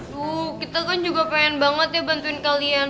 tuh kita kan juga pengen banget ya bantuin kalian